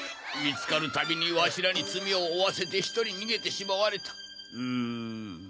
見つかる度にわしらに罪を負わせて１人逃げてしまわれたうん